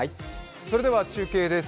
それでは中継です。